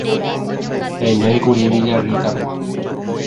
Heñóikuri Villarrica-pe